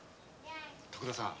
徳田さん。